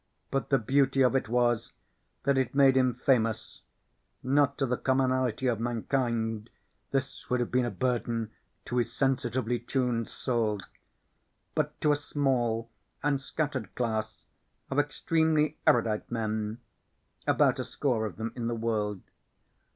But the beauty of it was that it made him famous, not to the commonalty of mankind (this would have been a burden to his sensitively tuned soul), but to a small and scattered class of extremely erudite men (about a score of them in the world).